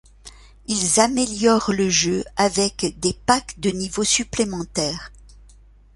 Ils améliorent le jeu avec des packs de niveaux supplémentaires.